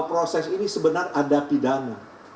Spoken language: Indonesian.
proses ini sebenarnya ada pidana